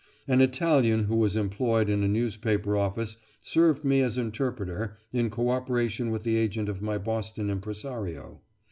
An Italian who was employed in a newspaper office served me as interpreter in cooperation with the agent of my Boston impresario.